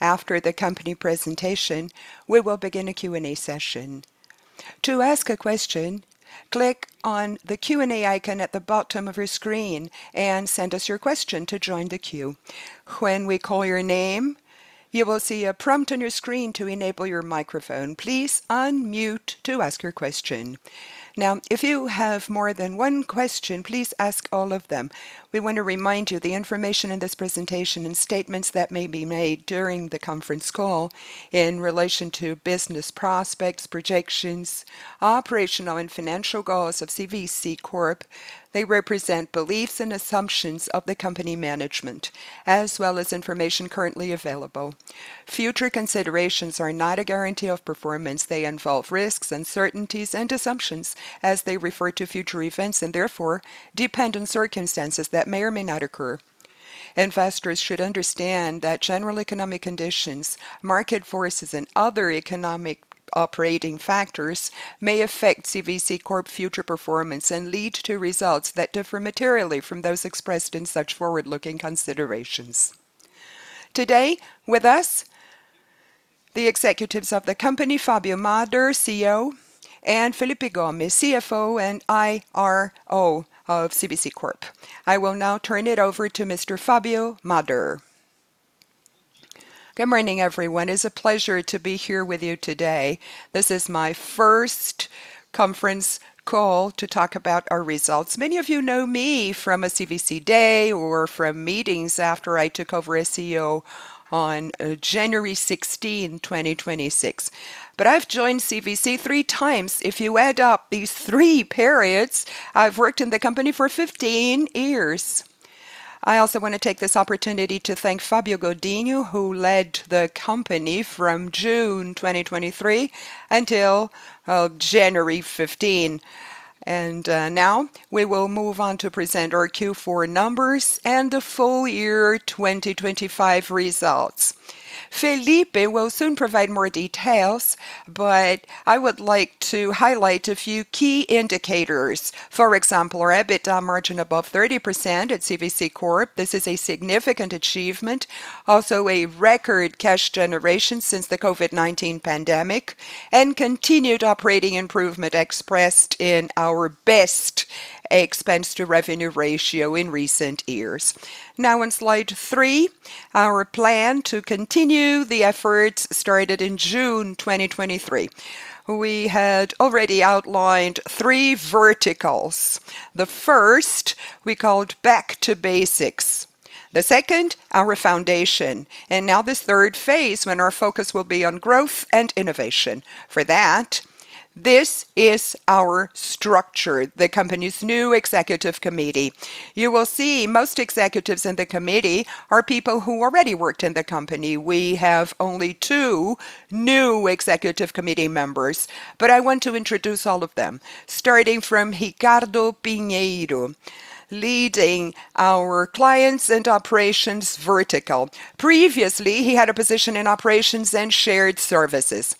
After the company presentation, we will begin a Q&A session. To ask a question, click on the Q&A icon at the bottom of your screen and send us your question to join the queue. When we call your name, you will see a prompt on your screen to enable your microphone. Please unmute to ask your question. Now, if you have more than one question, please ask all of them. We want to remind you that the information in this presentation and statements that may be made during the conference call in relation to business prospects, projections, operational and financial goals of CVC Corp. They represent beliefs and assumptions of the company management, as well as information currently available. Future considerations are not a guarantee of performance. They involve risks, uncertainties and assumptions as they refer to future events and therefore dependent circumstances that may or may not occur. Investors should understand that general economic conditions, market forces, and other economic operating factors may affect CVC Corp future performance and lead to results that differ materially from those expressed in such forward-looking considerations. Today with us, the executives of the company, Fabio Mader, CEO, and Felipe Gomes, CFO and IRO of CVC Corp. I will now turn it over to Mr. Fabio Mader. Good morning, everyone. It's a pleasure to be here with you today. This is my first conference call to talk about our results. Many of you know me from a CVC Day or from meetings after I took over as CEO on January 16, 2026. I've joined CVC 3x. If you add up these 3 periods, I've worked in the company for 15 years. I also wanna take this opportunity to thank Fabio Godinho, who led the company from June 2023 until January 15. Now we will move on to present our Q4 numbers and the full year 2025 results. Felipe will soon provide more details, but I would like to highlight a few key indicators. For example, our EBITDA margin above 30% at CVC Corp. This is a significant achievement. Also a record cash generation since the COVID-19 pandemic and continued operating improvement expressed in our best expense to revenue ratio in recent years. Now on slide 3, our plan to continue the efforts started in June 2023. We had already outlined 3 verticals. The first we called Back to Basics, the second, our Foundation, and now this third phase when our focus will be on growth and innovation. For that, this is our structure, the company's new executive committee. You will see most executives in the committee are people who already worked in the company. We have only 2 new executive committee members, but I want to introduce all of them. Starting from Ricardo Pinheiro, leading our clients and operations vertical. Previously, he had a position in operations and shared services.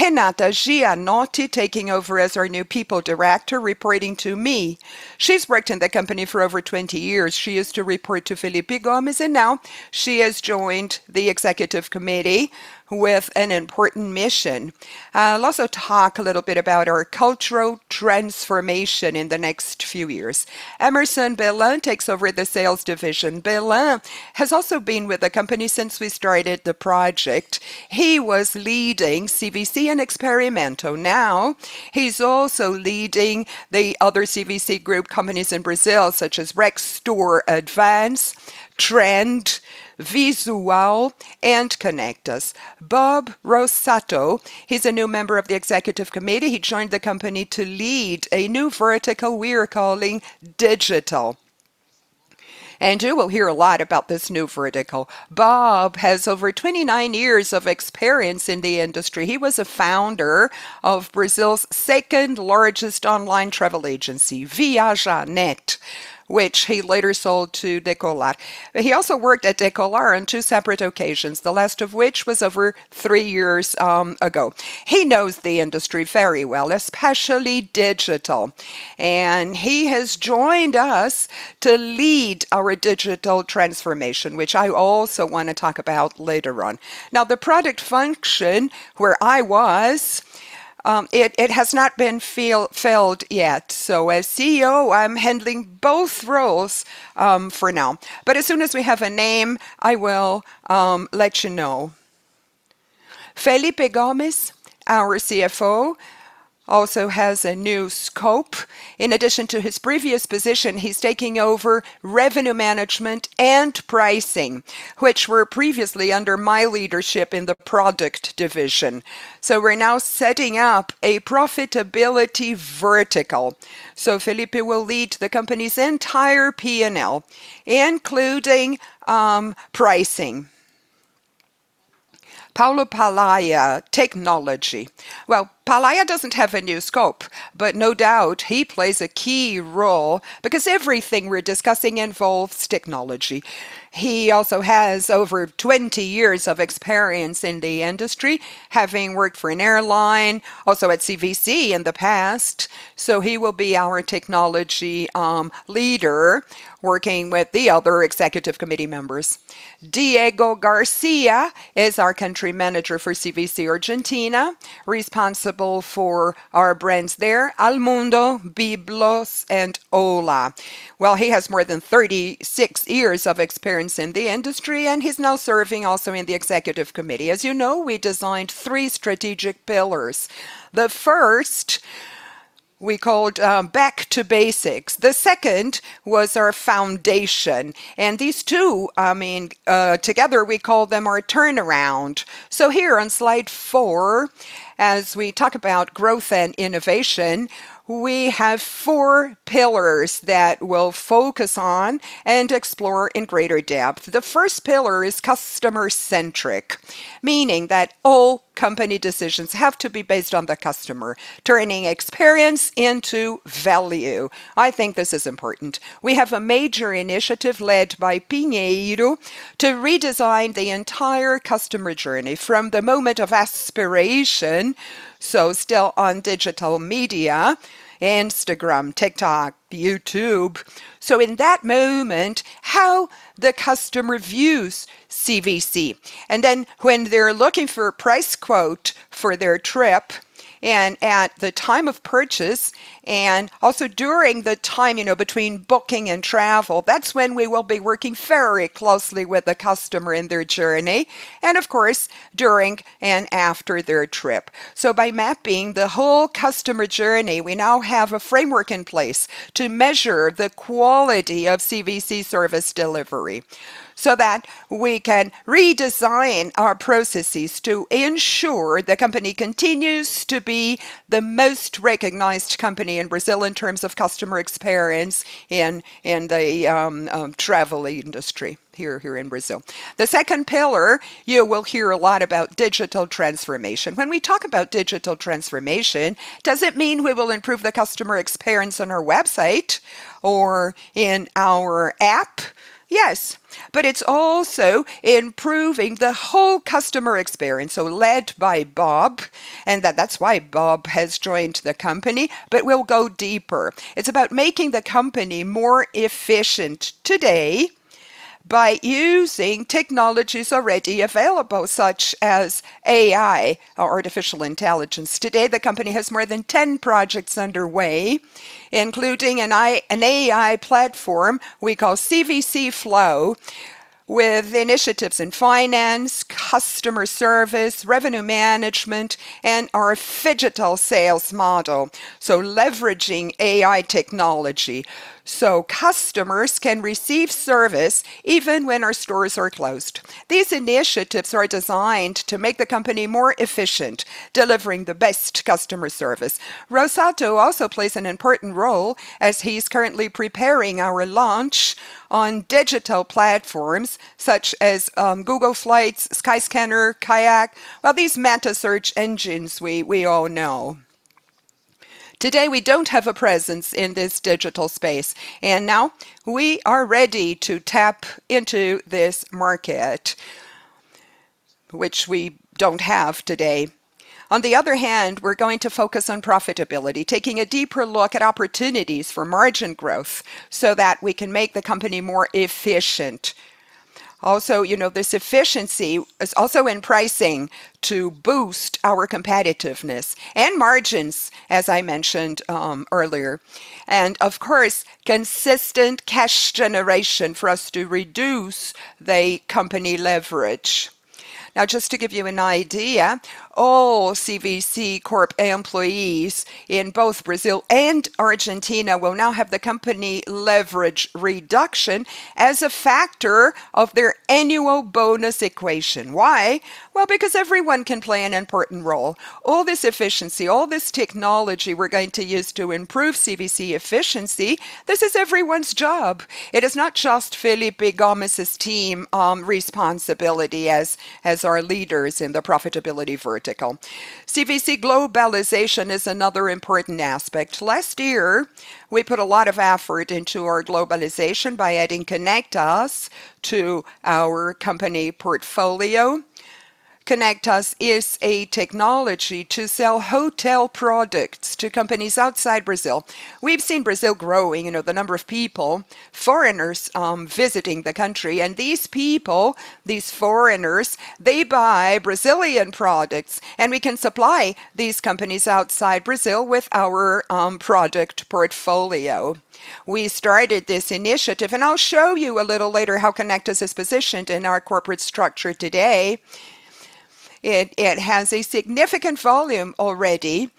Renata Giannotti taking over as our new People Director, reporting to me. She's worked in the company for over 20 years. She used to report to Felipe Gomes, and now she has joined the executive committee with an important mission. I'll also talk a little bit about our cultural transformation in the next few years. Emerson Belan takes over the Sales Division. Belan has also been with the company since we started the project. He was leading CVC and Experimento. Now he's also leading the other CVC group companies in Brazil, such as RexturAdvance, Trend, Visual and Conectas. Bob Rossato, he's a new member of the executive committee. He joined the company to lead a new vertical we are calling Digital. You will hear a lot about this new vertical. Bob has over 29 years of experience in the industry. He was a founder of Brazil's second-largest online travel agency, Viajanet, which he later sold to Decolar. He also worked at Decolar on 2 separate occasions, the last of which was over 3 years ago. He knows the industry very well, especially digital, and he has joined us to lead our digital transformation, which I also wanna talk about later on. Now, the product function where I was, it has not been filled yet. As CEO, I'm handling both roles, for now. As soon as we have a name, I will let you know. Felipe Gomes, our CFO, also has a new scope. In addition to his previous position, he's taking over revenue management and pricing, which were previously under my leadership in the product division. We're now setting up a profitability vertical. Felipe will lead the company's entire P&L, including pricing. Paulo Palaia, technology. Well, Palaia doesn't have a new scope, but no doubt he plays a key role because everything we're discussing involves technology. He also has over 20 years of experience in the industry, having worked for an airline, also at CVC in the past, so he will be our technology leader working with the other executive committee members. Diego García is our country manager for CVC Argentina, responsible for our brands there, Almundo, Biblos, and Ola. Well, he has more than 36 years of experience in the industry, and he's now serving also in the executive committee. As you know, we designed 3 strategic pillars. The first we called Back to Basics. The second was our foundation. These two, I mean, together we call them our turnaround. Here on slide 4, as we talk about growth and innovation, we have 4 pillars that we'll focus on and explore in greater depth. The first pillar is customer-centric, meaning that all company decisions have to be based on the customer, turning experience into value. I think this is important. We have a major initiative led by Pinheiro to redesign the entire customer journey from the moment of aspiration, so still on digital media, Instagram, TikTok, YouTube. In that moment, how the customer views CVC, and then when they're looking for a price quote for their trip and at the time of purchase and also during the time, you know, between booking and travel, that's when we will be working very closely with the customer in their journey and of course, during and after their trip. By mapping the whole customer journey, we now have a framework in place to measure the quality of CVC service delivery so that we can redesign our processes to ensure the company continues to be the most recognized company in Brazil in terms of customer experience in the travel industry in Brazil. The second pillar, you will hear a lot about digital transformation. When we talk about digital transformation, does it mean we will improve the customer experience on our website or in our app? Yes, but it's also improving the whole customer experience, so led by Bob, and that's why Bob has joined the company, but we'll go deeper. It's about making the company more efficient today by using technologies already available, such as AI or artificial intelligence. Today, the company has more than 10 projects underway, including an AI platform we call CVC Flow, with initiatives in finance, customer service, revenue management, and our phygital sales model. Leveraging AI technology so customers can receive service even when our stores are closed. These initiatives are designed to make the company more efficient, delivering the best customer service. Rossato also plays an important role as he's currently preparing our launch on digital platforms such as Google Flights, Skyscanner, Kayak. Well, these meta search engines we all know. Today, we don't have a presence in this digital space, and now we are ready to tap into this market, which we don't have today. On the other hand, we're going to focus on profitability, taking a deeper look at opportunities for margin growth so that we can make the company more efficient. Also, you know, this efficiency is also in pricing to boost our competitiveness and margins, as I mentioned, earlier, and of course, consistent cash generation for us to reduce the company leverage. Now, just to give you an idea, all CVC Corp employees in both Brazil and Argentina will now have the company leverage reduction as a factor of their annual bonus equation. Why? Well, because everyone can play an important role. All this efficiency, all this technology we're going to use to improve CVC efficiency, this is everyone's job. It is not just Felipe Gomes' team responsibility as our leaders in the profitability vertical. CVC globalization is another important aspect. Last year, we put a lot of effort into our globalization by adding Conectas to our company portfolio. Conectas is a technology to sell hotel products to companies outside Brazil. We've seen Brazil growing, you know, the number of people, foreigners, visiting the country and these people, these foreigners, they buy Brazilian products, and we can supply these companies outside Brazil with our product portfolio. We started this initiative, and I'll show you a little later how Conectas is positioned in our corporate structure today. It has a significant volume already,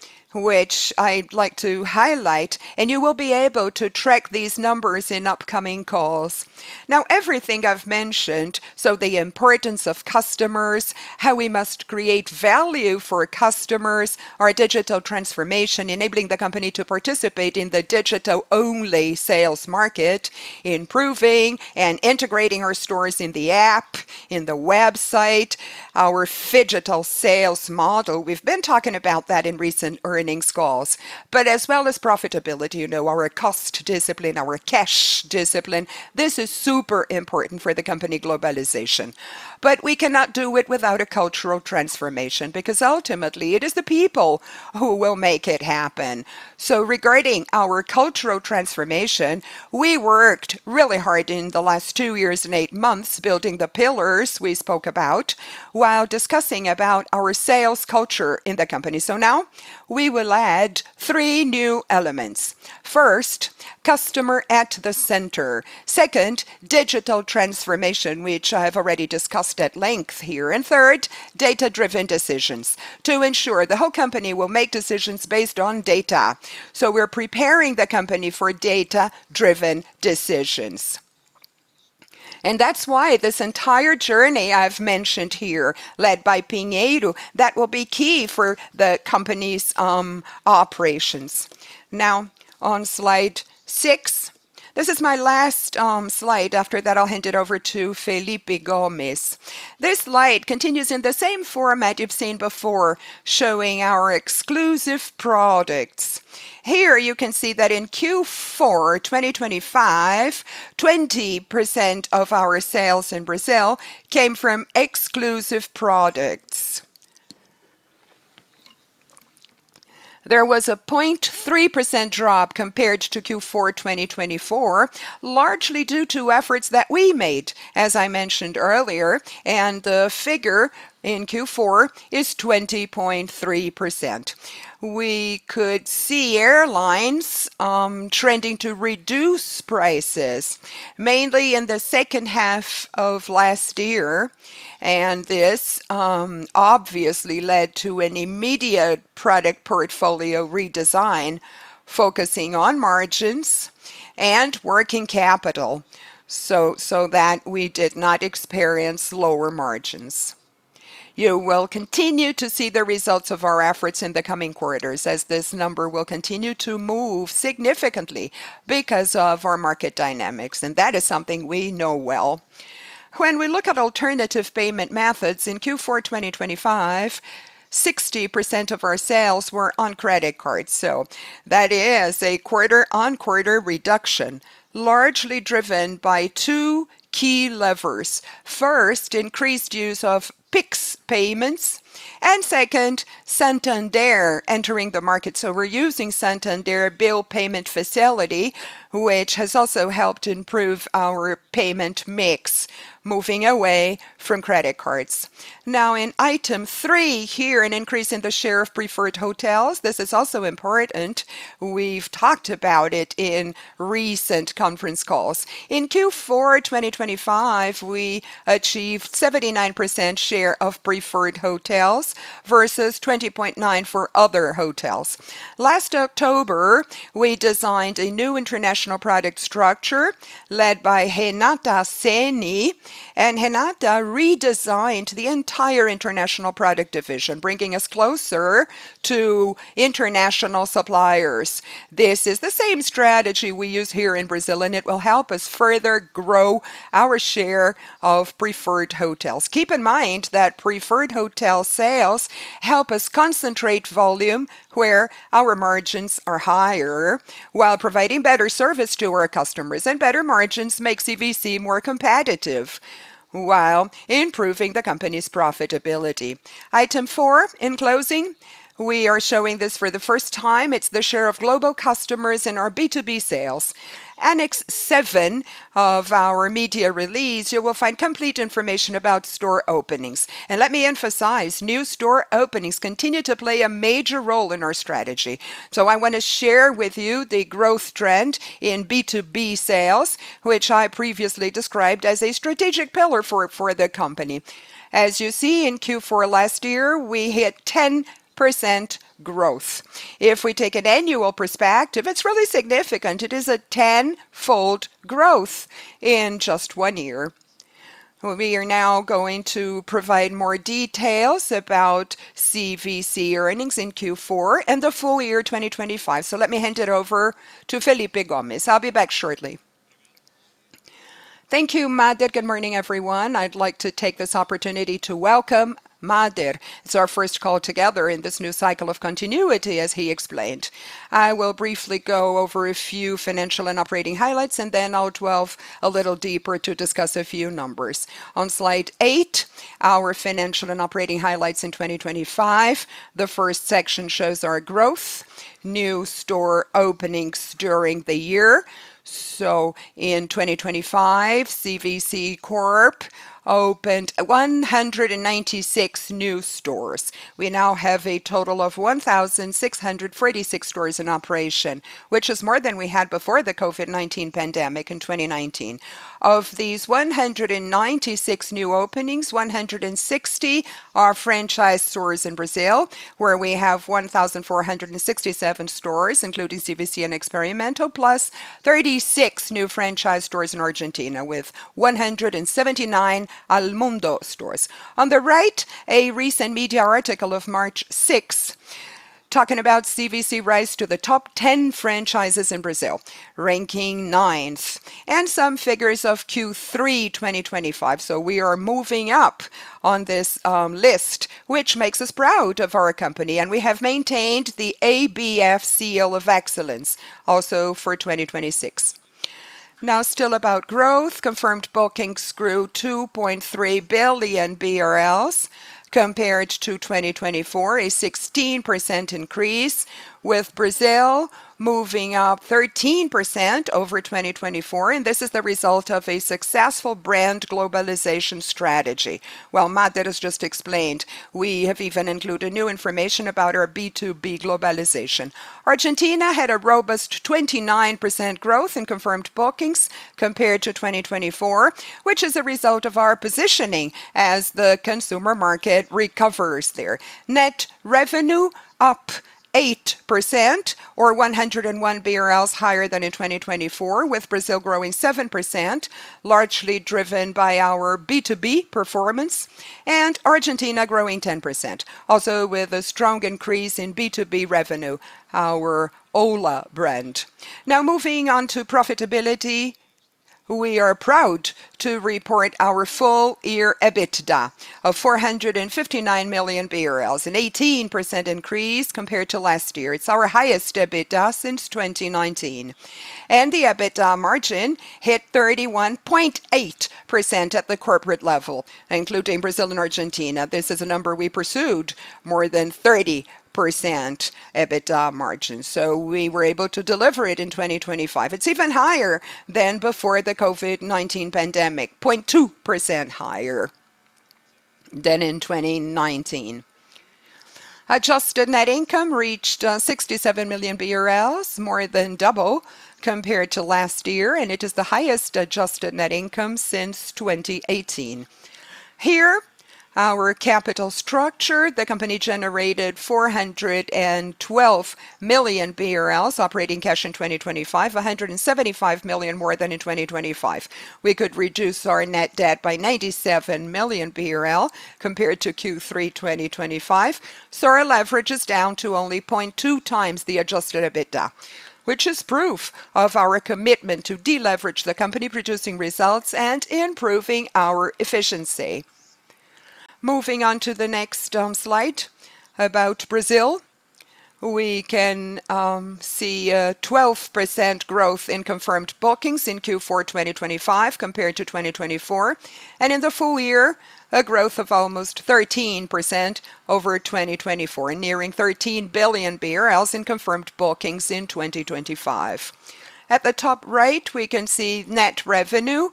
which I'd like to highlight, and you will be able to track these numbers in upcoming calls. Now, everything I've mentioned, so the importance of customers, how we must create value for customers, our digital transformation enabling the company to participate in the digital-only sales market, improving and integrating our stores in the app, in the website, our phygital sales model. We've been talking about that in recent earnings calls. As well as profitability, you know, our cost discipline, our cash discipline, this is super important for the company globalization. We cannot do it without a cultural transformation, because ultimately it is the people who will make it happen. Regarding our cultural transformation, we worked really hard in the last 2 years and 8 months building the pillars we spoke about while discussing about our sales culture in the company. Now we will add 3 new elements. First, customer at the center. Second, digital transformation, which I have already discussed at length here. And third, data-driven decisions to ensure the whole company will make decisions based on data. We're preparing the company for data-driven decisions. That's why this entire journey I've mentioned here, led by Pinheiro, that will be key for the company's operations. Now on slide 6. This is my last slide. After that, I'll hand it over to Felipe Gomes. This slide continues in the same format you've seen before, showing our exclusive products. Here you can see that in Q4 2025, 20% of our sales in Brazil came from exclusive products. There was a 0.3% drop compared to Q4 2024, largely due to efforts that we made, as I mentioned earlier, and the figure in Q4 is 20.3%. We could see airlines trending to reduce prices mainly in the H2 of last year, and this obviously led to an immediate product portfolio redesign focusing on margins and working capital so that we did not experience lower margins. You will continue to see the results of our efforts in the coming quarters as this number will continue to move significantly because of our market dynamics. That is something we know well. When we look at alternative payment methods in Q4 2025, 60% of our sales were on credit cards. That is a quarter-on-quarter reduction, largely driven by 2 key levers. First, increased use of Pix payments, and second, Santander entering the market. We're using Santander bill payment facility, which has also helped improve our payment mix, moving away from credit cards. Now in item 3 here, an increase in the share of preferred hotels. This is also important. We've talked about it in recent conference calls. In Q4 2025, we achieved 79% share of preferred hotels versus 20.9 for other hotels. Last October, we designed a new international product structure led by Renata Ceni, and Renata redesigned the entire international product division, bringing us closer to international suppliers. This is the same strategy we use here in Brazil, and it will help us further grow our share of preferred hotels. Keep in mind that preferred hotel sales help us concentrate volume where our margins are higher while providing better service to our customers. Better margins make CVC more competitive while improving the company's profitability. Item 4, in closing, we are showing this for the first time. It's the share of global customers in our B2B sales. Annex seven of our media release, you will find complete information about store openings. Let me emphasize, new store openings continue to play a major role in our strategy. I want to share with you the growth trend in B2B sales, which I previously described as a strategic pillar for the company. As you see, in Q4 last year, we hit 10% growth. If we take an annual perspective, it's really significant. It is a tenfold growth in just one year. We are now going to provide more details about CVC earnings in Q4 and the full year 2025. Let me hand it over to Felipe Gomes. I'll be back shortly. Thank you, Mader. Good morning, everyone. I'd like to take this opportunity to welcome Mader. It's our first call together in this new cycle of continuity as he explained. I will briefly go over a few financial and operating highlights, and then I'll delve a little deeper to discuss a few numbers. On slide 8, our financial and operating highlights in 2025. The first section shows our growth, new store openings during the year. In 2025, CVC Corp opened 196 new stores. We now have a total of 1,646 stores in operation, which is more than we had before the COVID-19 pandemic in 2019. Of these 196 new openings, 160 are franchise stores in Brazil, where we have 1,467 stores, including CVC and Experimento, plus 36 new franchise stores in Argentina with 179 Almundo stores. On the right, a recent media article of March 6 talking about CVC's rise to the top 10 franchises in Brazil, ranking 9th. Some figures of Q3 2025. We are moving up on this list, which makes us proud of our company, and we have maintained the ABF Seal of Excellence also for 2026. Now still about growth. Confirmed bookings grew 2.3 billion BRL compared to 2024, a 16% increase, with Brazil moving up 13% over 2024. This is the result of a successful brand globalization strategy. Mader has just explained we have even included new information about our B2B globalization. Argentina had a robust 29% growth in confirmed bookings compared to 2024, which is a result of our positioning as the consumer market recovers there. Net revenue up 8% or 101 BRL higher than in 2024, with Brazil growing 7%, largely driven by our B2B performance, and Argentina growing 10%, also with a strong increase in B2B revenue, our Ola brand. Now moving on to profitability. We are proud to report our full-year EBITDA of 459 million BRL, an 18% increase compared to last year. It's our highest EBITDA since 2019. The EBITDA margin hit 31.8% at the corporate level, including Brazil and Argentina. This is a number we pursued more than 30% EBITDA margin, so we were able to deliver it in 2025. It's even higher than before the COVID-19 pandemic, 0.2% higher than in 2019. Adjusted net income reached 67 million BRL, more than double compared to last year, and it is the highest adjusted net income since 2018. Here, our capital structure. The company generated 412 million BRL operating cash in 2025, 175 million more than in 2025. We could reduce our net debt by 97 million BRL compared to Q3 2025. Our leverage is down to only 0.2x the adjusted EBITDA, which is proof of our commitment to deleverage the company, producing results and improving our efficiency. Moving on to the next slide about Brazil. We can see a 12% growth in confirmed bookings in Q4 2025 compared to 2024, and in the full year, a growth of almost 13% over 2024, nearing 13 billion BRL in confirmed bookings in 2025. At the top right, we can see net revenue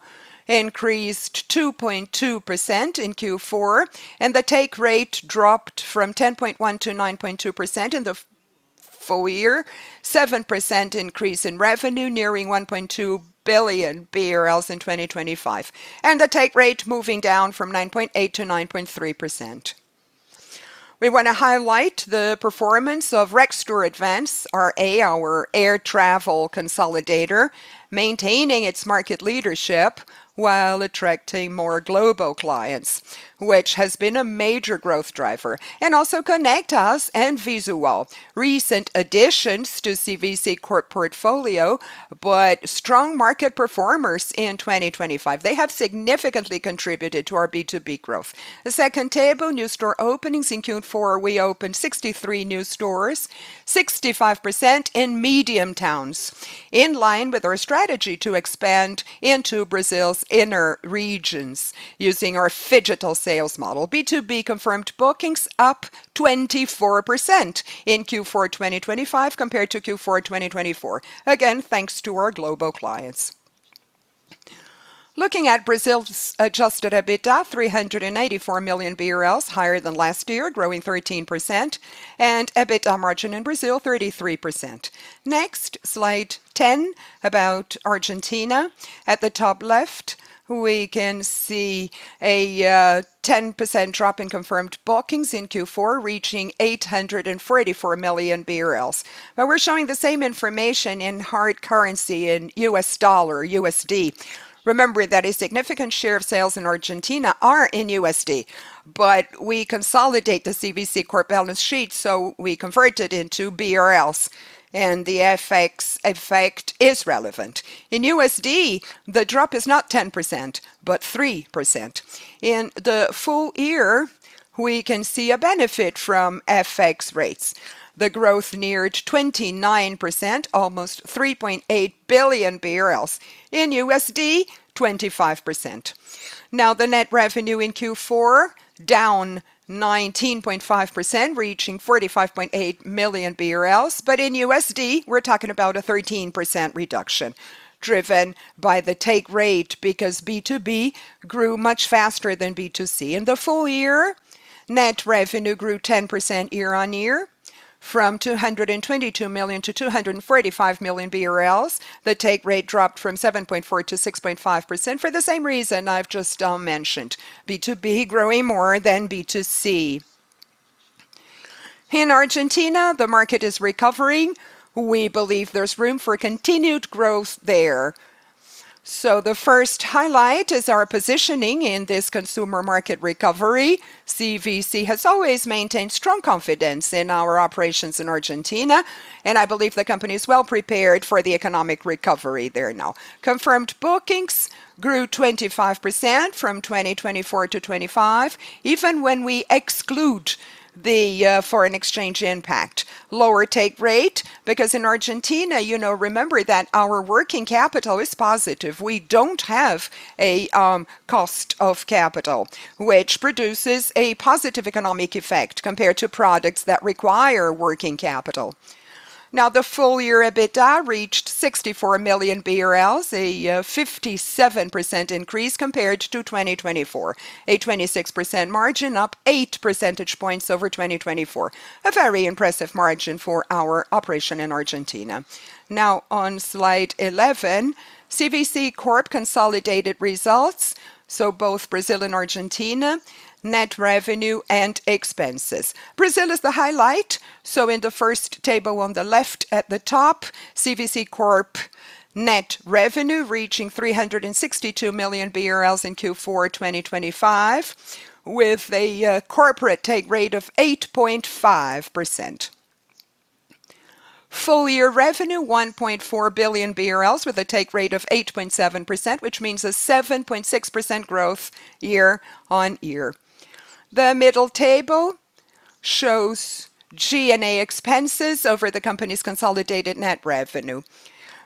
increased 2.2% in Q4, and the take rate dropped from 10.1% to 9.2%. In the full year, 7% increase in revenue nearing 1.2 billion BRL in 2025, and the take rate moving down from 9.8% to 9.3%. We wanna highlight the performance of RexturAdvance, our air travel consolidator, maintaining its market leadership while attracting more global clients, which has been a major growth driver. Also Conectas and Visual Turismo, recent additions to CVC Corp portfolio, but strong market performers in 2025. They have significantly contributed to our B2B growth. The second table, new store openings in Q4. We opened 63 new stores, 65% in medium towns, in line with our strategy to expand into Brazil's inner regions using our phygital sales model. B2B confirmed bookings up 24% in Q4 2025 compared to Q4 2024. Again, thanks to our global clients. Looking at Brazil's adjusted EBITDA, 384 million BRL higher than last year, growing 13%, and EBITDA margin in Brazil, 33%. Next, slide 10 about Argentina. At the top left, we can see a 10% drop in confirmed bookings in Q4, reaching 844 million. Now we're showing the same information in hard currency in US dollar, USD. Remember that a significant share of sales in Argentina are in USD, but we consolidate the CVC Corp balance sheet, so we convert it into BRL, and the FX effect is relevant. In USD, the drop is not 10%, but 3%. In the full year, we can see a benefit from FX rates. The growth neared 29%, almost BRL 3.8 billion. In USD, 25%. Now the net revenue in Q4 down 19.5%, reaching 45.8 million BRL. In USD, we're talking about a 13% reduction driven by the take rate because B2B grew much faster than B2C. In the full year, net revenue grew 10% year on year from 222 million to 245 million BRL. The take rate dropped from 7.4 to 6.5% for the same reason I've just mentioned. B2B growing more than B2C. In Argentina, the market is recovering. We believe there's room for continued growth there. The first highlight is our positioning in this consumer market recovery. CVC has always maintained strong confidence in our operations in Argentina, and I believe the company is well prepared for the economic recovery there now. Confirmed bookings grew 25% from 2024 to 2025, even when we exclude the foreign exchange impact. Lower take rate because in Argentina, you know, remember that our working capital is positive. We don't have a cost of capital, which produces a positive economic effect compared to products that require working capital. Now, the full year EBITDA reached 64 million BRL, a 57% increase compared to 2024. A 26% margin, up 8 percentage points over 2024. A very impressive margin for our operation in Argentina. Now on slide 11, CVC Corp consolidated results, so both Brazil and Argentina, net revenue and expenses. Brazil is the highlight. In the first table on the left at the top, CVC Corp net revenue reaching 362 million BRL in Q4 2025, with a corporate take rate of 8.5%. Full-year revenue 1.4 billion BRL with a take rate of 8.7%, which means a 7.6% growth year-on-year. The middle table shows G&A expenses over the company's consolidated net revenue.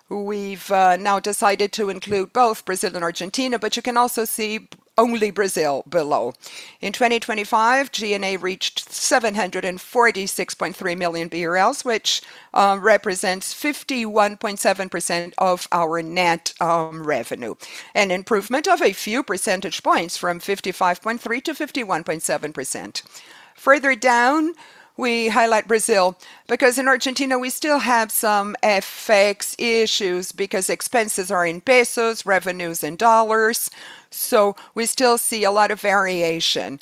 We've now decided to include both Brazil and Argentina, but you can also see only Brazil below. In 2025, G&A reached 746.3 million BRL, which represents 51.7% of our net revenue, an improvement of a few percentage points from 55.3% to 51.7%. Further down, we highlight Brazil because in Argentina we still have some FX issues because expenses are in pesos, revenues in dollars, so we still see a lot of variation.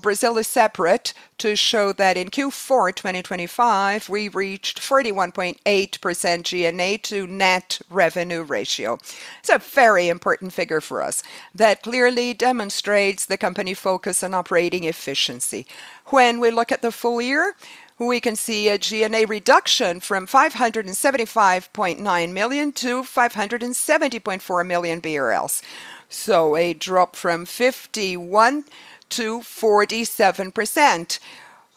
Brazil is separate to show that in Q4 2025, we reached 41.8% G&A to net revenue ratio. It's a very important figure for us that clearly demonstrates the company focus on operating efficiency. When we look at the full year, we can see a G&A reduction from 575.9 million to 570.4 million BRL. A drop from 51% to 47%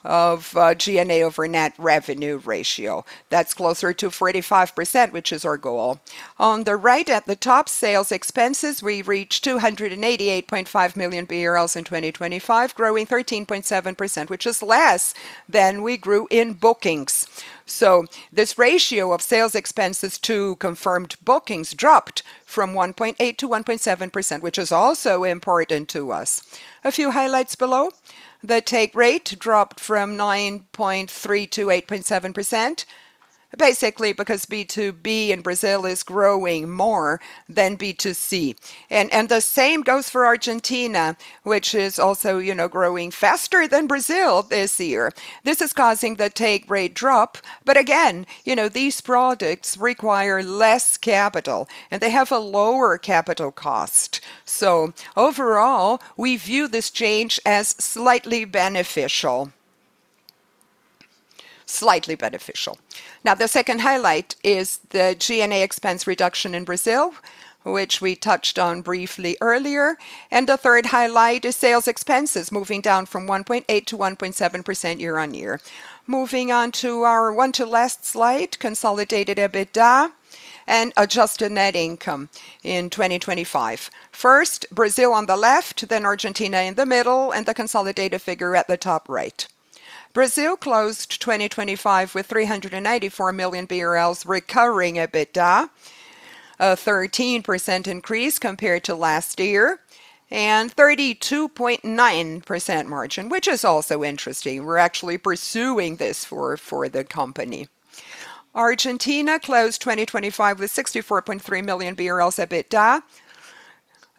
of G&A over net revenue ratio. That's closer to 45%, which is our goal. On the right at the top, sales expenses. We reached 288.5 million BRL in 2025, growing 13.7%, which is less than we grew in bookings. This ratio of sales expenses to confirmed bookings dropped from 1.8% to 1.7%, which is also important to us. A few highlights below. The take rate dropped from 9.3% to 8.7%, basically because B2B in Brazil is growing more than B2C. The same goes for Argentina, which is also, you know, growing faster than Brazil this year. This is causing the take rate drop, but again, you know, these products require less capital, and they have a lower capital cost. Overall, we view this change as slightly beneficial. Slightly beneficial. Now, the second highlight is the G&A expense reduction in Brazil, which we touched on briefly earlier. The third highlight is sales expenses moving down from 1.8% to 1.7% year-on-year. Moving on to our one to last slide, consolidated EBITDA and adjusted net income in 2025. First, Brazil on the left, then Argentina in the middle, and the consolidated figure at the top right. Brazil closed 2025 with 384 million BRL recovering EBITDA, a 13% increase compared to last year and 32.9% margin, which is also interesting. We're actually pursuing this for the company. Argentina closed 2025 with 64.3 million BRL EBITDA,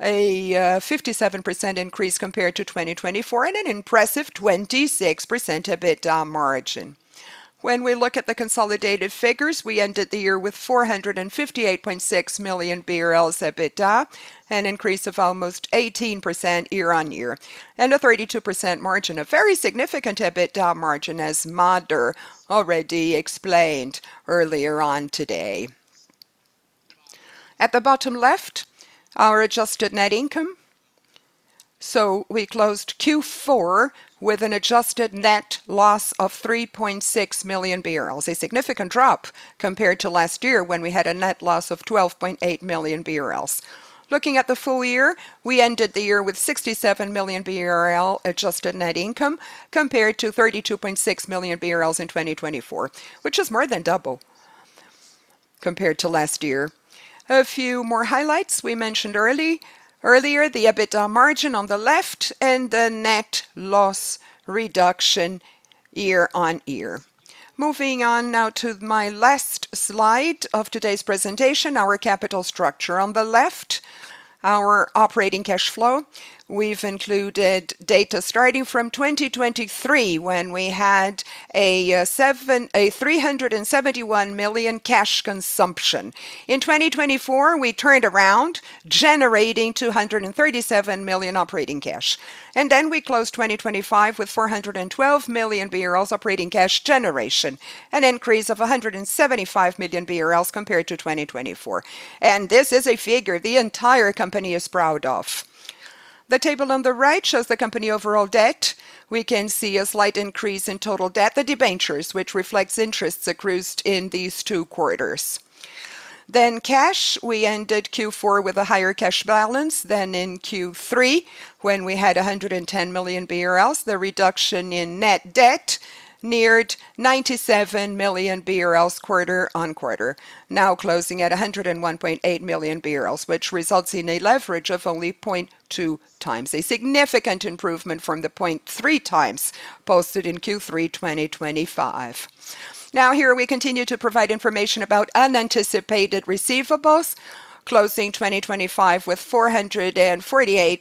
a 57% increase compared to 2024 and an impressive 26% EBITDA margin. When we look at the consolidated figures, we ended the year with 458.6 million BRL EBITDA, an increase of almost 18% year-on-year and a 32% margin, a very significant EBITDA margin as Mader already explained earlier on today. At the bottom left, our adjusted net income. We closed Q4 with an adjusted net loss of 3.6 million, a significant drop compared to last year when we had a net loss of 12.8 million. Looking at the full year, we ended the year with 67 million BRL adjusted net income compared to 32.6 million BRL in 2024, which is more than double compared to last year. A few more highlights we mentioned earlier. The EBITDA margin on the left and the net loss reduction year-on-year. Moving on now to my last slide of today's presentation, our capital structure. On the left. Our operating cash flow, we've included data starting from 2023 when we had a 371 million cash consumption. In 2024, we turned around generating 237 million operating cash. Then we closed 2025 with 412 million BRL operating cash generation, an increase of 175 million BRL compared to 2024. This is a figure the entire company is proud of. The table on the right shows the company overall debt. We can see a slight increase in total debt, the debentures, which reflects interest accrued in these 2 quarters. Cash, we ended Q4 with a higher cash balance than in Q3 when we had 110 million BRL. The reduction in net debt neared 97 million BRL quarter on quarter, now closing at 101.8 million BRL, which results in a leverage of only 0.2x. A significant improvement from the 0.3x posted in Q3 2025. Now here we continue to provide information about unanticipated receivables, closing 2025 with 448.8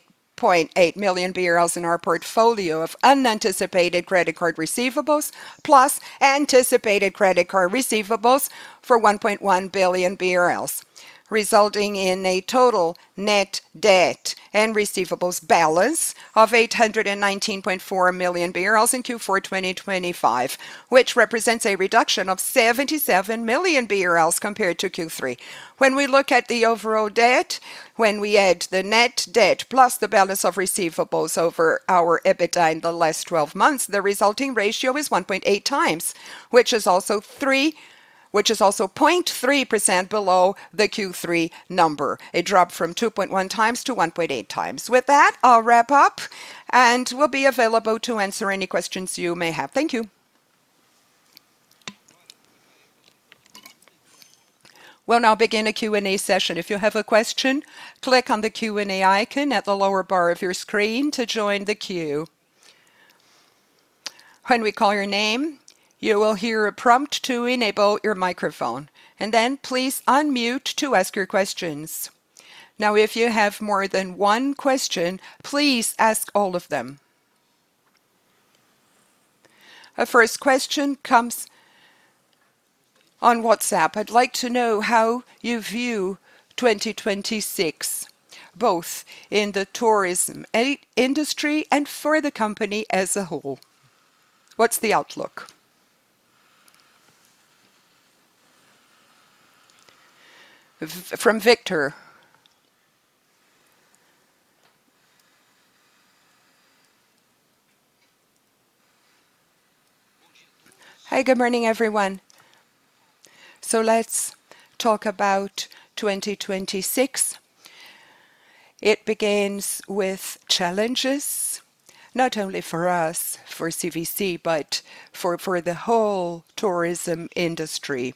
million in our portfolio of unanticipated credit card receivables, plus anticipated credit card receivables for 1.1 billion BRL, resulting in a total net debt and receivables balance of 819.4 million in Q4 2025, which represents a reduction of 77 million compared to Q3. When we look at the overall debt, when we add the net debt plus the balance of receivables over our EBITDA in the last 12 months, the resulting ratio is 1.8 times, which is also point 30% below the Q3 number. It dropped from 2.1x to 1.8x. With that, I'll wrap up, and we'll be available to answer any questions you may have. Thank you. We'll now begin a Q&A session. If you have a question, click on the Q&A icon at the lower bar of your screen to join the queue. When we call your name, you will hear a prompt to enable your microphone. Please unmute to ask your questions. Now if you have more than one question, please ask all of them. Our first question comes on WhatsApp. I'd like to know how you view 2026, both in the tourism industry and for the company as a whole. What's the outlook? From Vitor. Hi, good morning, everyone. Let's talk about 2026. It begins with challenges, not only for us, for CVC, but for the whole tourism industry.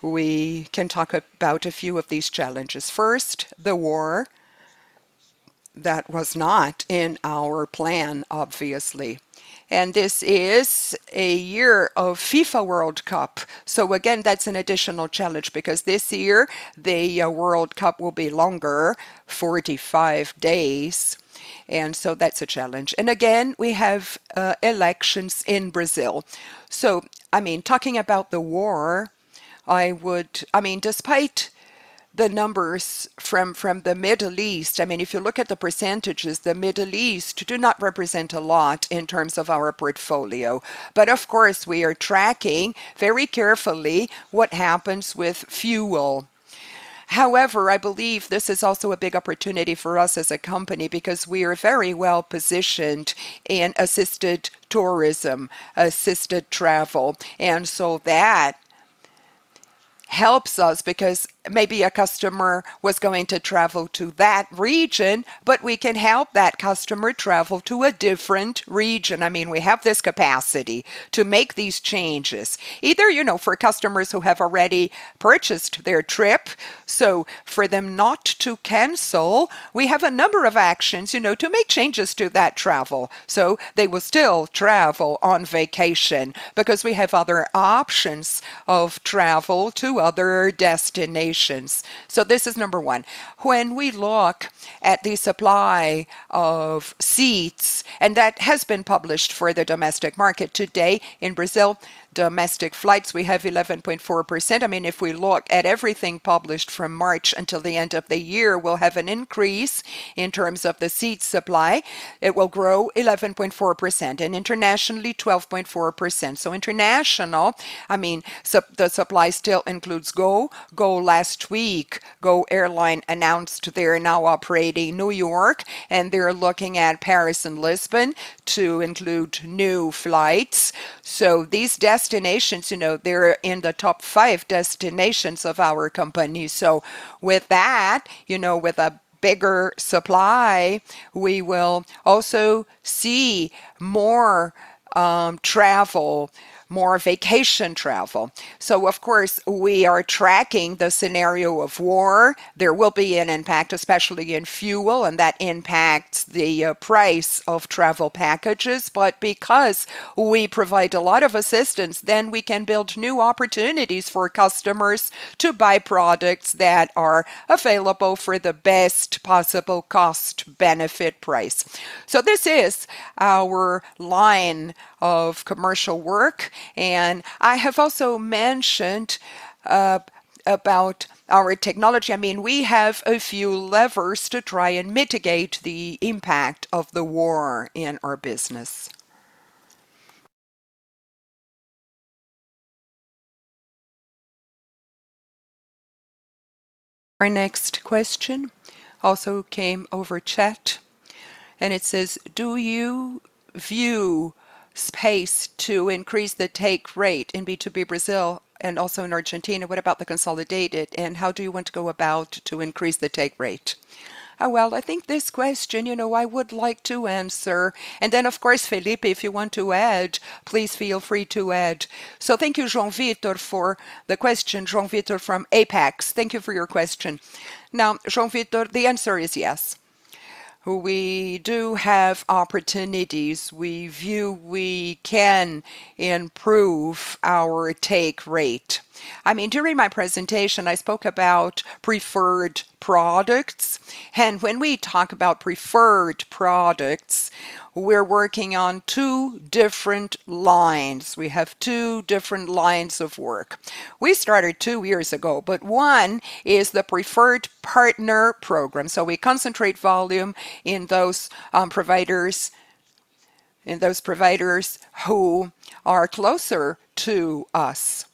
We can talk about a few of these challenges. First, the war. That was not in our plan, obviously. This is a year of FIFA World Cup. Again, that's an additional challenge because this year the World Cup will be longer, 45 days, and that's a challenge. We have elections in Brazil. I mean, talking about the war, I mean, despite the numbers from the Middle East, I mean, if you look at the percentages, the Middle East do not represent a lot in terms of our portfolio. But of course, we are tracking very carefully what happens with fuel. However, I believe this is also a big opportunity for us as a company because we are very well-positioned in assisted tourism, assisted travel. That helps us because maybe a customer was going to travel to that region, but we can help that customer travel to a different region. I mean, we have this capacity to make these changes. Either, you know, for customers who have already purchased their trip, so for them not to cancel, we have a number of actions, you know, to make changes to that travel, so they will still travel on vacation because we have other options of travel to other destinations. This is number one. When we look at the supply of seats, and that has been published for the domestic market today in Brazil, domestic flights, we have 11.4%. I mean, if we look at everything published from March until the end of the year, we'll have an increase in terms of the seat supply. It will grow 11.4% and internationally 12.4%. International, I mean, the supply still includes Gol. Gol last week, Gol Airlines announced they are now operating New York, and they're looking at Paris and Lisbon to include new flights. These destinations, you know, they're in the top 5 destinations of our company. With that, you know, with a bigger supply, we will also see more travel, more vacation travel. Of course, we are tracking the scenario of war. There will be an impact, especially in fuel, and that impacts the price of travel packages. Because we provide a lot of assistance, then we can build new opportunities for customers to buy products that are available for the best possible cost-benefit price. This is our line of commercial work, and I have also mentioned about our technology. I mean, we have a few levers to try and mitigate the impact of the war in our business. Our next question also came over chat, and it says: "Do you view space to increase the take rate in B2B Brazil and also in Argentina? What about the consolidated, and how do you want to go about to increase the take rate?" I think this question, you know, I would like to answer. Then, of course, Felipe, if you want to add, please feel free to add. Thank you, Jean Vitor, for the question. Jean Vitor from Apex, thank you for your question. Now, Jean Vitor, the answer is yes. We do have opportunities. We view we can improve our take rate. I mean, during my presentation, I spoke about preferred products, and when we talk about preferred products, we're working on 2 different lines. We have 2 different lines of work. We started 2 years ago, but one is the Preferred Partner Program. We concentrate volume in those providers who are closer to us.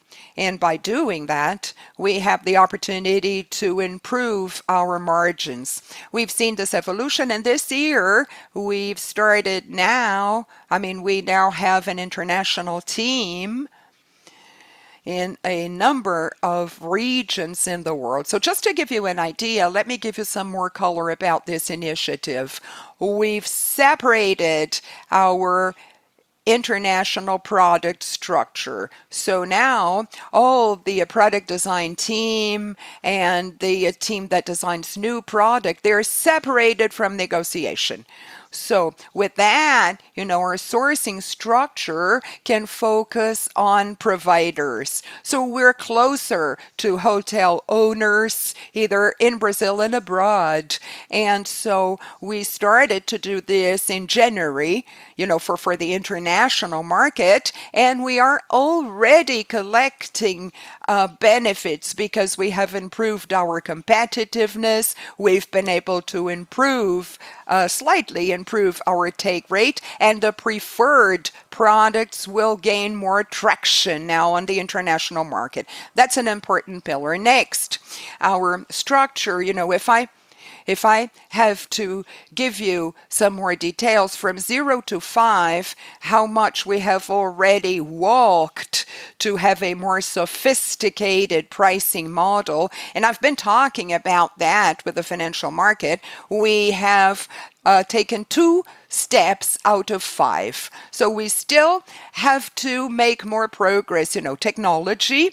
By doing that, we have the opportunity to improve our margins. We've seen this evolution, and this year we've started now. I mean, we now have an international team in a number of regions in the world. Just to give you an idea, let me give you some more color about this initiative. We've separated our international product structure, so now all the product design team and the team that designs new product, they're separated from negotiation. With that, you know, our sourcing structure can focus on providers. We're closer to hotel owners, either in Brazil and abroad. We started to do this in January, you know, for the international market, and we are already collecting benefits because we have improved our competitiveness. We've been able to slightly improve our take rate, and the preferred products will gain more traction now on the international market. That's an important pillar. Next, our structure. You know, if I have to give you some more details, from 0 to 5, how much we have already walked to have a more sophisticated pricing model, and I've been talking about that with the financial market, we have taken 2 steps out of 5. We still have to make more progress. You know, technology,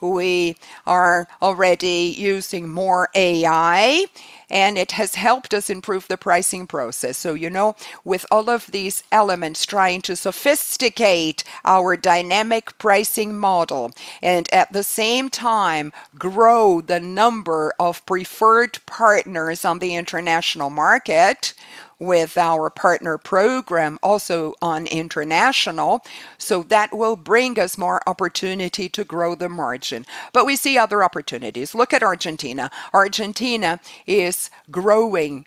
we are already using more AI, and it has helped us improve the pricing process. You know, with all of these elements, trying to sophisticate our dynamic pricing model and at the same time grow the number of preferred partners on the international market with our partner program also on international, so that will bring us more opportunity to grow the margin. We see other opportunities. Look at Argentina. Argentina is growing.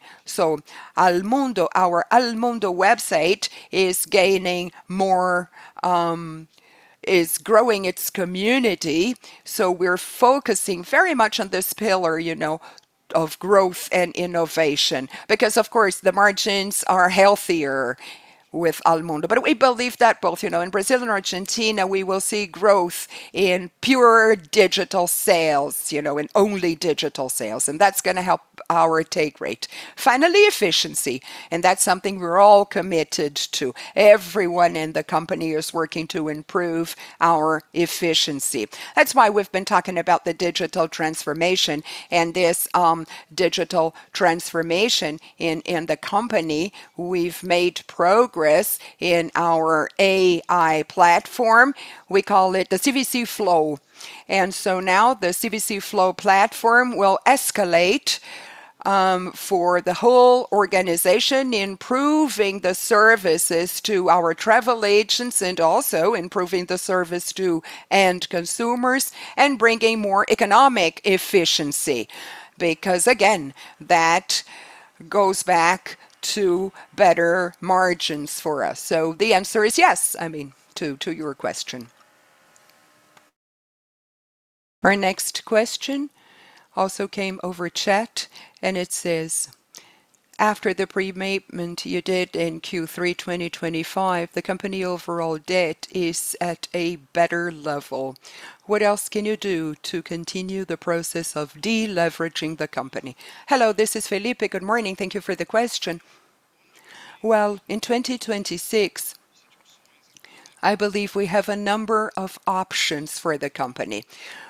Almundo, our Almundo website is gaining more, is growing its community, so we're focusing very much on this pillar, you know, of growth and innovation because, of course, the margins are healthier with Almundo. We believe that both, you know, in Brazil and Argentina, we will see growth in pure digital sales, you know, in only digital sales, and that's gonna help our take rate. Finally, efficiency, and that's something we're all committed to. Everyone in the company is working to improve our efficiency. That's why we've been talking about the digital transformation and this digital transformation in the company. We've made progress in our AI platform. We call it the CVC Flow. Now the CVC Flow platform will escalate for the whole organization, improving the services to our travel agents and also improving the service to end consumers and bringing more economic efficiency. Because again, that goes back to better margins for us. The answer is yes, I mean, to your question. Our next question also came over chat, and it says: "After the prepayment you did in Q3 2025, the company overall debt is at a better level. What else can you do to continue the process of deleveraging the company?" Hello, this is Felipe. Good morning. Thank you for the question. Well, in 2026, I believe we have a number of options for the company.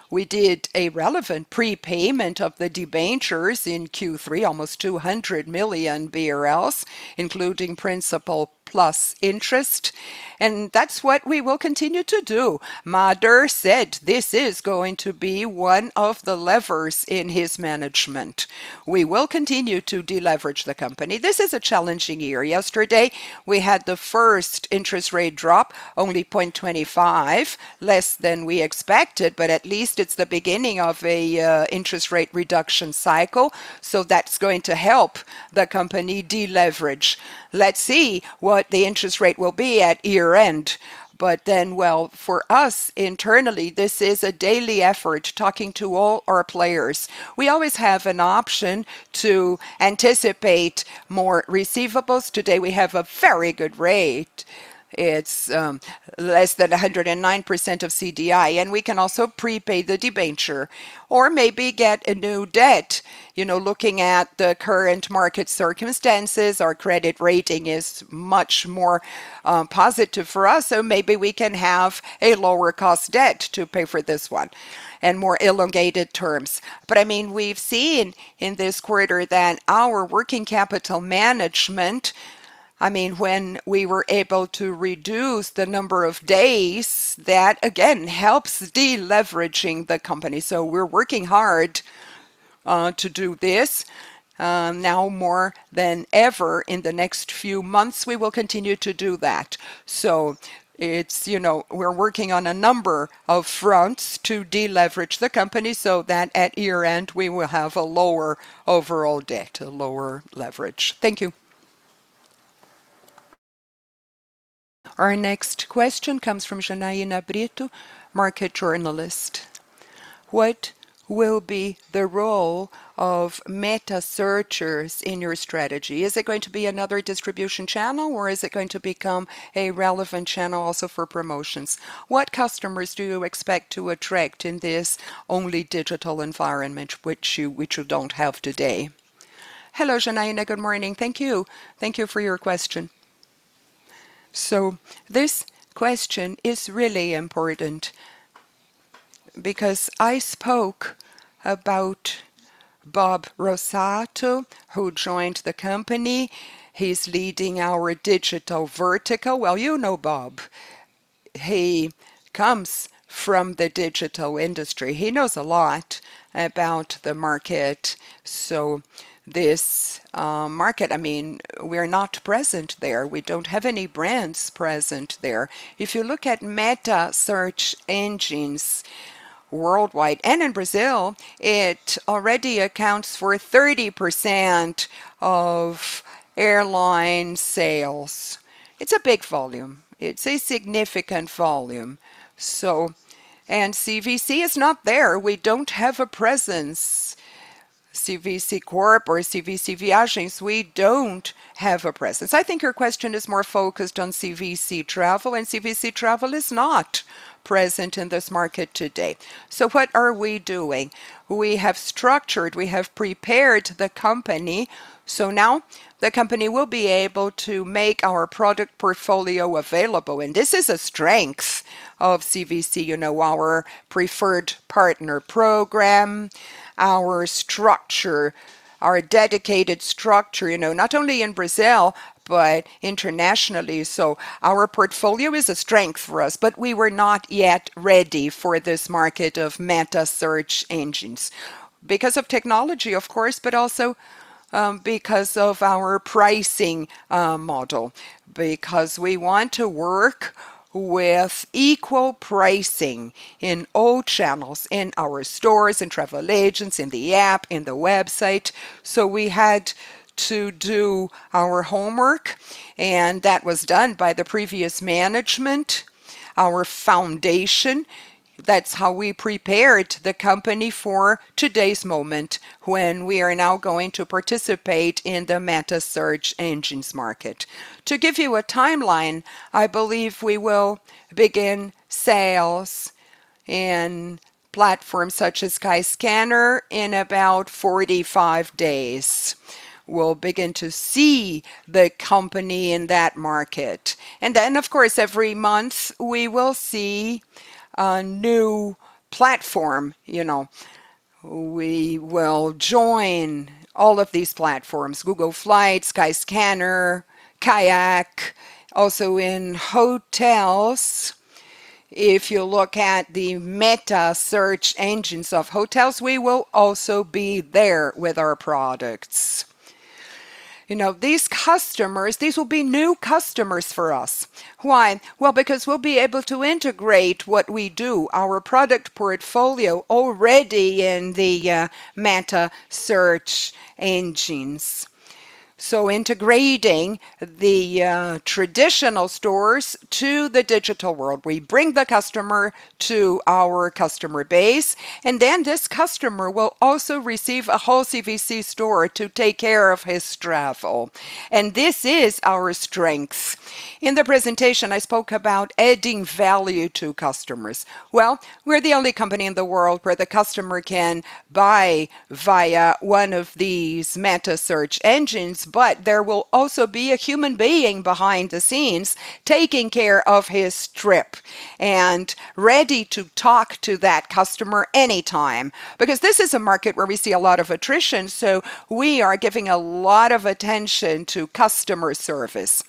We did a relevant prepayment of the debentures in Q3, almost 200 million BRL, including principal plus interest. That's what we will continue to do. Mader said this is going to be one of the levers in his management. We will continue to deleverage the company. This is a challenging year. Yesterday we had the first interest rate drop, only 0.25%, less than we expected, but at least it's the beginning of a interest rate reduction cycle, so that's going to help the company deleverage. Let's see what the interest rate will be at year-end. Well, for us internally, this is a daily effort talking to all our players. We always have an option to anticipate more receivables. Today we have a very good rate. It's less than 109% of CDI, and we can also prepay the debenture or maybe get a new debt. You know, looking at the current market circumstances, our credit rating is much more positive for us, so maybe we can have a lower cost debt to pay for this one and more elongated terms. I mean, we've seen in this quarter that our working capital management, I mean, when we were able to reduce the number of days, that again helps deleveraging the company. We're working hard to do this. Now more than ever in the next few months, we will continue to do that. It's. You know, we're working on a number of fronts to deleverage the company so that at year-end we will have a lower overall debt, a lower leverage. Thank you. Our next question comes from Janaína Brito, market journalist. What will be the role of Metasearchers in your strategy? Is it going to be another distribution channel, or is it going to become a relevant channel also for promotions? What customers do you expect to attract in this only digital environment which you don't have today? Hello, Janaína. Good morning. Thank you. Thank you for your question. This question is really important because I spoke about Bob Rossato, who joined the company. He's leading our digital vertical. Well, you know Bob. He comes from the digital industry. He knows a lot about the market. This market, I mean, we're not present there. We don't have any brands present there. If you look at metasearch engines worldwide and in Brazil, it already accounts for 30% of airline sales. It's a big volume. It's a significant volume. CVC is not there. We don't have a presence. CVC Corp or CVC Viagens, we don't have a presence. I think your question is more focused on CVC Travel, and CVC Travel is not present in this market today. What are we doing? We have structured, we have prepared the company, so now the company will be able to make our product portfolio available. This is a strength of CVC, you know, our Preferred Partner Program, our structure, our dedicated structure, you know, not only in Brazil but internationally. Our portfolio is a strength for us, but we were not yet ready for this market of meta search engines because of technology, of course, but also because of our pricing model, because we want to work with equal pricing in all channels, in our stores, in travel agents, in the app, in the website. We had to do our homework, and that was done by the previous management, our foundation. That's how we prepared the company for today's moment when we are now going to participate in the meta search engines market. To give you a timeline, I believe we will begin sales in platforms such as Skyscanner in about 45 days. We'll begin to see the company in that market. Then, of course, every month we will see a new platform. You know, we will join all of these platforms, Google Flights, Skyscanner, Kayak, also in hotels. If you look at the meta search engines of hotels, we will also be there with our products. You know, these customers, these will be new customers for us. Why? Well, because we'll be able to integrate what we do, our product portfolio already in the meta search engines. Integrating the traditional stores to the digital world. We bring the customer to our customer base, and then this customer will also receive a whole CVC store to take care of his travel. This is our strength. In the presentation, I spoke about adding value to customers. Well, we're the only company in the world where the customer can buy via one of these meta search engines, but there will also be a human being behind the scenes taking care of his trip. Ready to talk to that customer anytime because this is a market where we see a lot of attrition, so we are giving a lot of attention to customer service.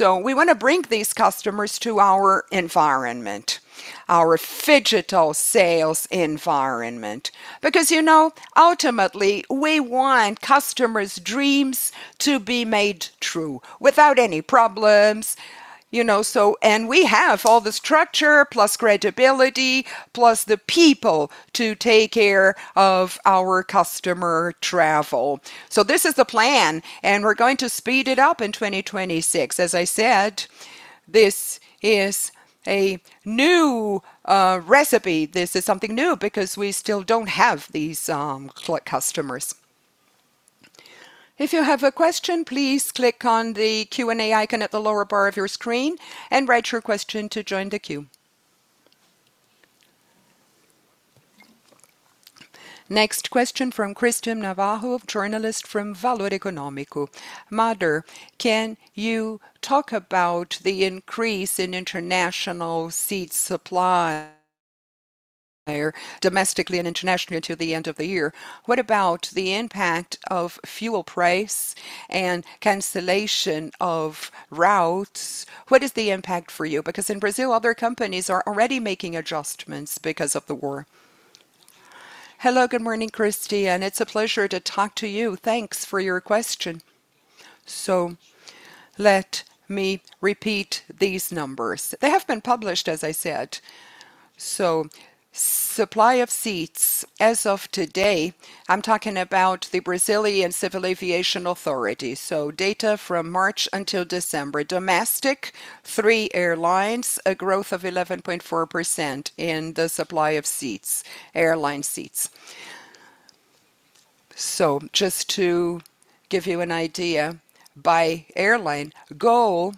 We want to bring these customers to our environment, our phygital sales environment. Because, you know, ultimately, we want customers' dreams to be made true without any problems, you know. We have all the structure, plus credibility, plus the people to take care of our customer travel. This is the plan, and we're going to speed it up in 2026. As I said, this is a new recipe. This is something new because we still don't have these customers. If you have a question, please click on the Q&A icon at the lower bar of your screen and write your question to join the queue. Next question from Cristian Navarro, journalist from Valor Econômico. " Mader, can you talk about the increase in international seat supply domestically and internationally until the end of the year? What about the impact of fuel price and cancellation of routes? What is the impact for you? Because in Brazil, other companies are already making adjustments because of the war." Hello, good morning, Cristian. It's a pleasure to talk to you. Thanks for your question. Let me repeat these numbers. They have been published, as I said. Supply of seats as of today, I'm talking about the Brazilian Civil Aviation Authority, so data from March until December. Domestic, 3 airlines, a growth of 11.4% in the supply of seats, airline seats. Just to give you an idea, by airline, Gol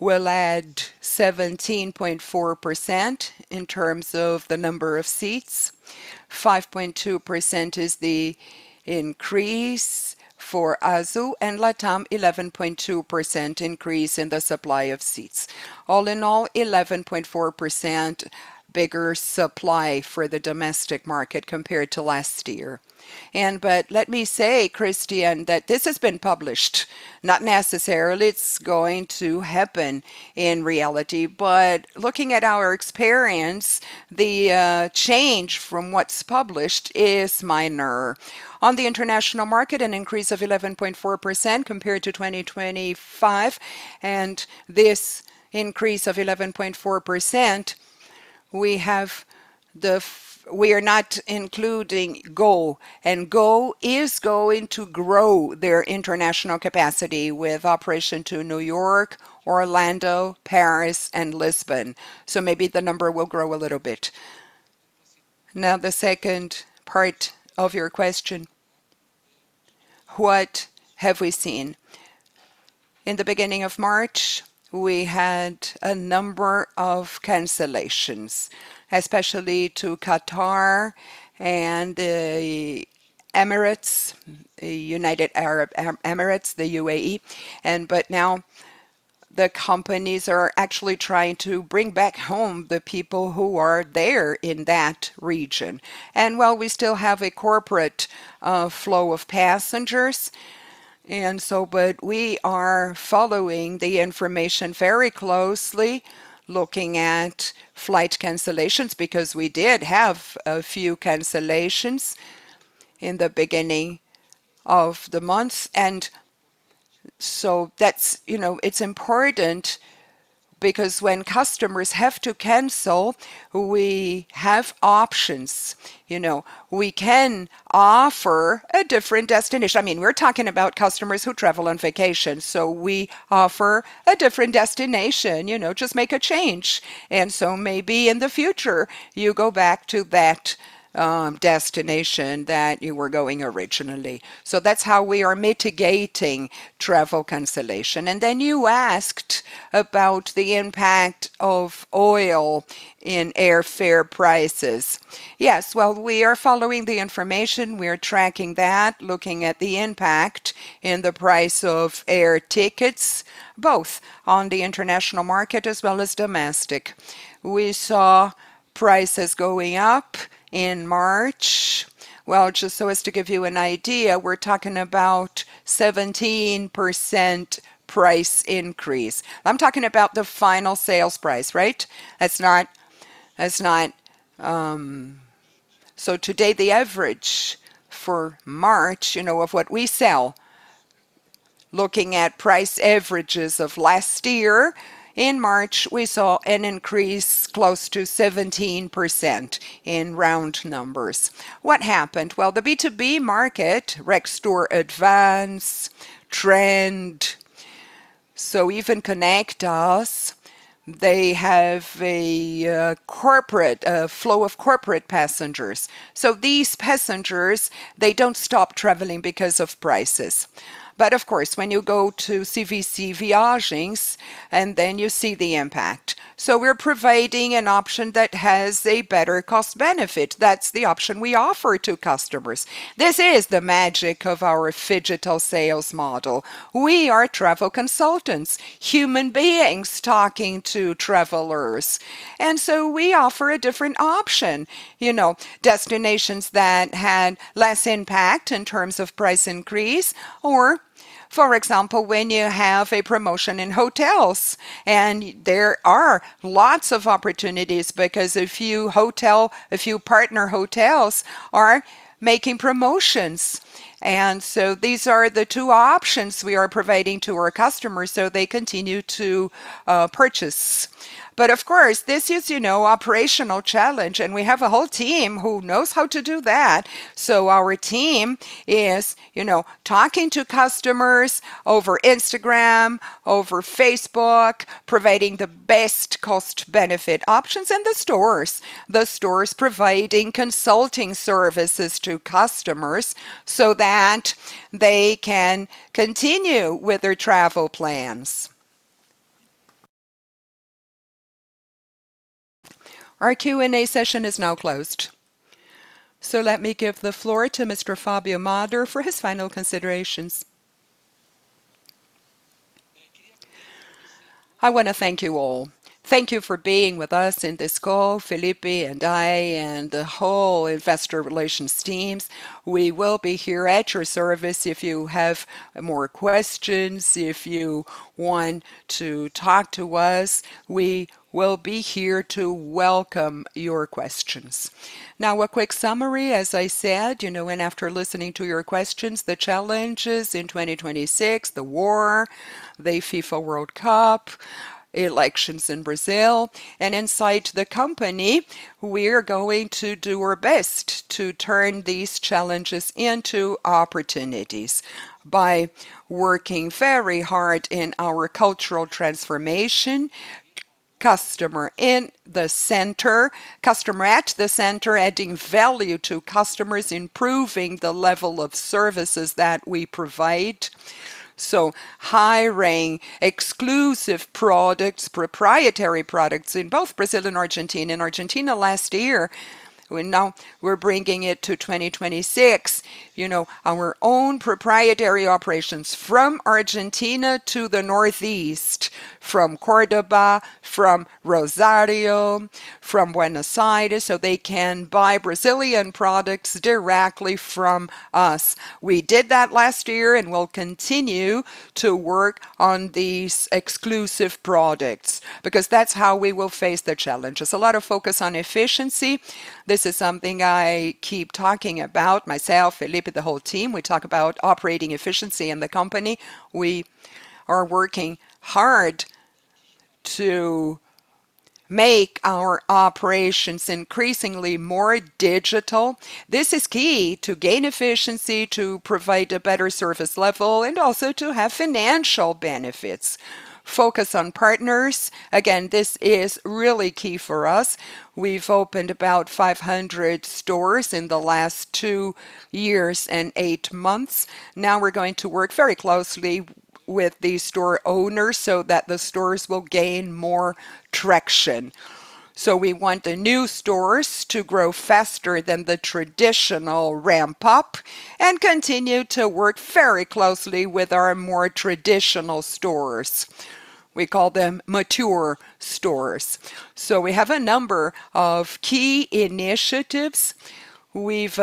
will add 17.4% in terms of the number of seats. 5.2% is the increase for Azul, and LATAM, 11.2% increase in the supply of seats. All in all, 11.4% bigger supply for the domestic market compared to last year. Let me say, Cristian, that this has been published, not necessarily it's going to happen in reality. Looking at our experience, the change from what's published is minor. On the international market, an increase of 11.4% compared to 2025, and this increase of 11.4%, we are not including Gol, and Gol is going to grow their international capacity with operations to New York, Orlando, Paris, and Lisbon. Maybe the number will grow a little bit. Now, the second part of your question. What have we seen? In the beginning of March, we had a number of cancellations, especially to Qatar and Emirates, United Arab Emirates, the U.A.E. But now the companies are actually trying to bring back home the people who are there in that region. While we still have a corporate flow of passengers, but we are following the information very closely, looking at flight cancellations, because we did have a few cancellations in the beginning of the month. That's, you know, it's important because when customers have to cancel, we have options. You know, we can offer a different destination. I mean, we're talking about customers who travel on vacation, so we offer a different destination, you know, just make a change. Maybe in the future, you go back to that destination that you were going originally. That's how we are mitigating travel cancellation. You asked about the impact of oil in airfare prices. Yes. Well, we are following the information. We are tracking that, looking at the impact in the price of air tickets, both on the international market as well as domestic. We saw prices going up in March. Well, just so as to give you an idea, we're talking about 17% price increase. I'm talking about the final sales price, right? That's not. To date, the average for March, you know, of what we sell, looking at price averages of last year, in March, we saw an increase close to 17% in round numbers. What happened? Well, the B2B market, RexturAdvance, Trend, so even Conectas, they have a corporate flow of corporate passengers. These passengers, they don't stop traveling because of prices. Of course, when you go to CVC Viagens and then you see the impact. We're providing an option that has a better cost benefit. That's the option we offer to customers. This is the magic of our phygital sales model. We are travel consultants, human beings talking to travelers. We offer a different option, you know, destinations that had less impact in terms of price increase or, for example, when you have a promotion in hotels. There are lots of opportunities because a few partner hotels are making promotions. These are the 2 options we are providing to our customers, so they continue to purchase. But of course, this is, you know, operational challenge, and we have a whole team who knows how to do that. Our team is, you know, talking to customers over Instagram, over Facebook, providing the best cost benefit options in the stores. The stores providing consulting services to customers so that they can continue with their travel plans. Our Q&A session is now closed. Let me give the floor to Mr. Fabio Mader for his final considerations. I wanna thank you all. Thank you for being with us in this call, Felipe and I, and the whole investor relations teams. We will be here at your service if you have more questions, if you want to talk to us. We will be here to welcome your questions. Now, a quick summary, as I said, you know, after listening to your questions, the challenges in 2026, the war, the FIFA World Cup, elections in Brazil. Inside the company, we are going to do our best to turn these challenges into opportunities by working very hard in our cultural transformation, customer in the center, customer at the center, adding value to customers, improving the level of services that we provide. Hiring exclusive products, proprietary products in both Brazil and Argentina. In Argentina last year, we're bringing it to 2026, you know, our own proprietary operations from Argentina to the Northeast, from Córdoba, from Rosario, from Buenos Aires, so they can buy Brazilian products directly from us. We did that last year and will continue to work on these exclusive products because that's how we will face the challenges. A lot of focus on efficiency. This is something I keep talking about myself, Felipe, the whole team. We talk about operating efficiency in the company. We are working hard to make our operations increasingly more digital. This is key to gain efficiency, to provide a better service level, and also to have financial benefits. Focus on partners. Again, this is really key for us. We've opened about 500 stores in the last 2 years and 8 months. Now we're going to work very closely with the store owners so that the stores will gain more traction. We want the new stores to grow faster than the traditional ramp up and continue to work very closely with our more traditional stores. We call them mature stores. We have a number of key initiatives. Less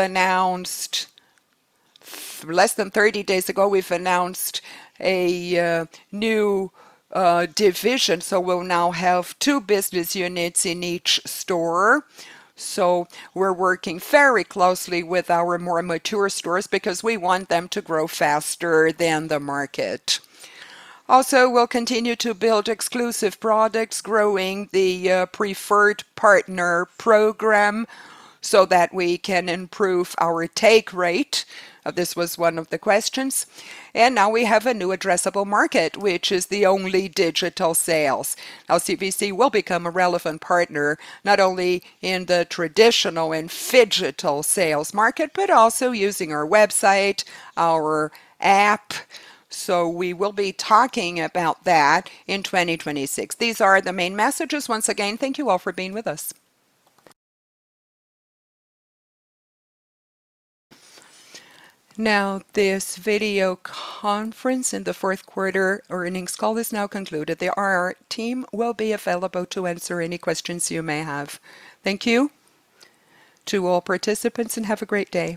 than 30 days ago, we've announced a new division. We'll now have 2 business units in each store. We're working very closely with our more mature stores because we want them to grow faster than the market. Also, we'll continue to build exclusive products, growing the Preferred Partner Program so that we can improve our take rate. This was one of the questions. Now we have a new addressable market, which is the only digital sales. Now CVC will become a relevant partner, not only in the traditional and phygital sales market, but also using our website, our app. We will be talking about that in 2026. These are the main messages. Once again, thank you all for being with us. Now, this video conference in the Q4 earnings call is now concluded. The RR team will be available to answer any questions you may have. Thank you to all participants, and have a great day.